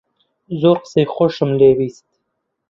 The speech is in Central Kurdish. زۆرم قسەی خۆش لێ بیست